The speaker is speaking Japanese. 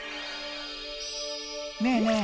ねえねえ